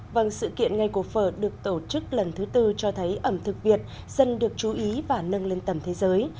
vâng sự kiện ngày của phở được tổ chức lần thứ tư cho thấy ẩm thực việt dần được chú ý và nâng lên tầm thế giới